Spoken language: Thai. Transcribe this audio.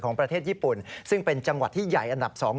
ประเทศญี่ปุ่นซึ่งเป็นจังหวัดที่ใหญ่อันดับ๒